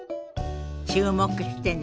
注目してね。